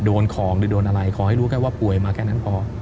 โดนของหรือโดนอะไรขอให้รู้แค่ว่าป่วยมาแค่นั้นพอ